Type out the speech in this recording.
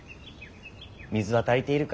「水は足りているか？